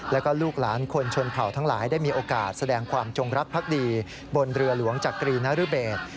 แล้วก็ลูกหลานคนชนเผ่าทั้งหลายได้มีโอกาสแสดงความจงรักภักดีบนเรือหลวงจักรีนรเบศ